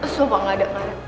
sumpah gak ada